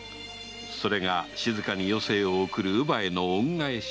それが静かに余生を送る乳母への恩返しだと考えた